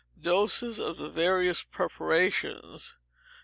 _Doses of the various preparations.